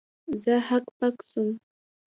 زه هک پک سوم.